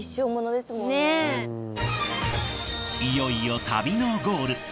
いよいよ旅のゴール。